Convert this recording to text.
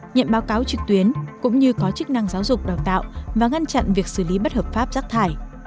nhận báo cáo trực tuyến cũng như có chức năng giáo dục đào tạo và ngăn chặn việc xử lý bất hợp pháp rác thải